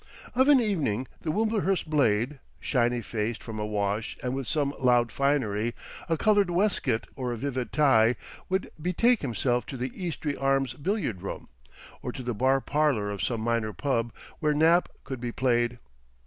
Of an evening the Wimblehurst blade, shiny faced from a wash and with some loud finery, a coloured waistcoat or a vivid tie, would betake himself to the Eastry Arms billiard room, or to the bar parlour of some minor pub where nap could be played.